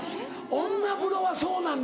女風呂はそうなんだ。